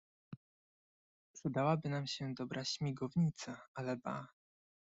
"przydała by nam się dobra śmigownica, ale ba!"